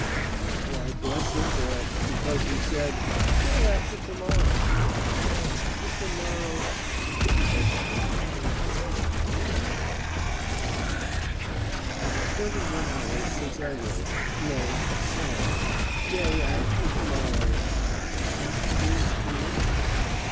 Oh, I bless her for it, because you said, `Day after to morrow.' Day after tomorrow! Day after to morrow! Day after tomorrow! .... "Twenty one hours since I wrote no, sang `Day after to morrow!' And now it is `To morrow!'